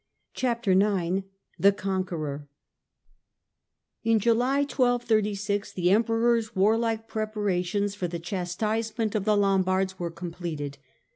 Chapter IX THE CONQUEROR IN July, 1236, the Emperor's warlike preparations for the chastisement of the Lombards were completed.